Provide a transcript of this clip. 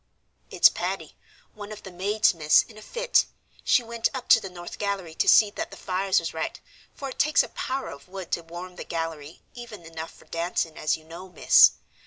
"It's Patty, one of the maids, miss, in a fit. She went up to the north gallery to see that the fires was right, for it takes a power of wood to warm the gallery even enough for dancing, as you know, miss.